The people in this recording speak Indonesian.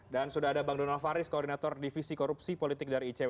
dan sudah ada bang donal faris koordinator divisi korupsi politik dari icw